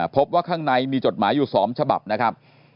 พบว่าข้างในมีจดหมายอยู่๒ฉบับนะครับ